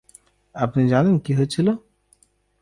আপনি জানেন, কী হয়েছিল?